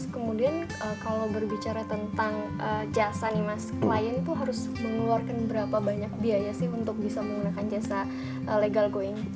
kemudian kalau berbicara tentang jasa nih mas klien itu harus mengeluarkan berapa banyak biaya sih untuk bisa menggunakan jasa legal going